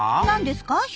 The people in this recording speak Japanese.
なんですか？